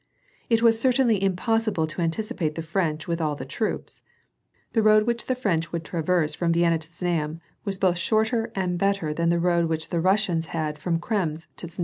It was certainly impossible to anticipate the French with all the troops. The road which the French would traverse from Vienna to Znaim was both shorter and better than the road which the Riissians had from Krems to Znaim.